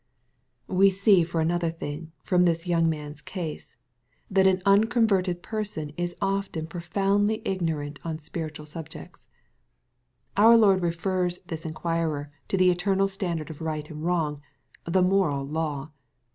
We see, for another thing, from this young man's case, that an unconverted person is often profoundly ignorant on spiritual suljects. Our Lord refers this inquirer to the eternal standard of right and wrong, the moral law.